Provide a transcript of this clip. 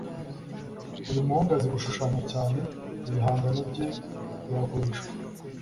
Uyu muhungu azi gushushanya cyane ibihangano bye biragurishwa